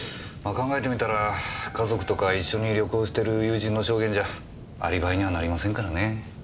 考えてみたら家族とか一緒に旅行してる友人の証言じゃアリバイにはなりませんからね。